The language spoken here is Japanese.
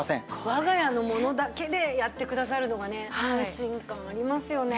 我が家のものだけでやってくださるのがね安心感ありますよね。